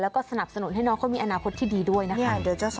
แล้วก็สนับสนุนให้น้องเขามีอนาคตที่ดีด้วยนะคะ